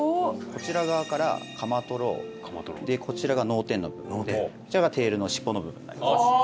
こちら側からカマトロこちらが脳天の部分でこちらがテールの尻尾の部分に。